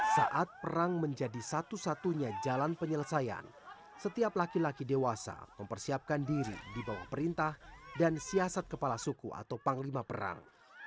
saat perang menjadi satu satunya jalan penyelesaian setiap laki laki dewasa mempersiapkan diri di bawah perintah dan siasat kepala suku atau panglima perang